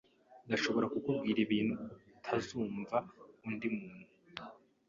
Ndashobora kukubwira ibintu utazumva undi muntu.